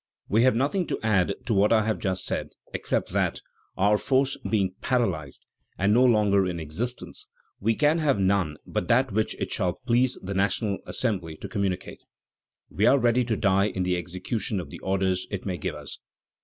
We have nothing to add to what I have just said, except that, our force being paralyzed, and no longer in existence, we can have none but that which it shall please the National Assembly to communicate. We are ready to die in the execution of the orders it may give us.